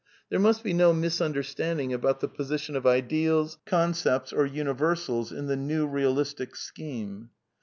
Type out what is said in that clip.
There must be no misunderstanding about the position of ideals, concepts, or " universals " in the New Eealistic scheme.